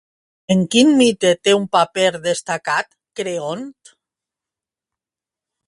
En quin mite té un paper destacat Creont?